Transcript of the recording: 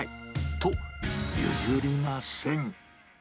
と、譲りません。